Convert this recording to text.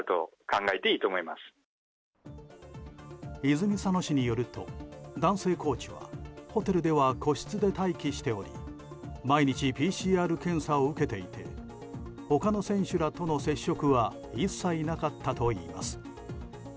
泉佐野市によると男性コーチはホテルでは個室で待機しており毎日ＰＣＲ検査を受けていて他の選手らとの接触は一切なかったといいます。